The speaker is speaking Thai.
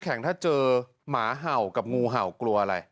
ถ้าเจอหมาเห่ากับงูเห่ากลัวอะไร